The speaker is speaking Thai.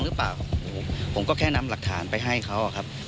หรือเปล่าผมก็แค่นำหลักฐานไปให้เขาอะครับ